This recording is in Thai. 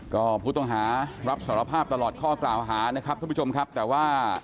ก็ผู้ต้องหารับสารภาพตลอดข้อกล่าวหานะครับท่านผู้ชมครับแต่ว่า